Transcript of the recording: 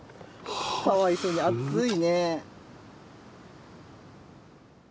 かわいそうに暑いね。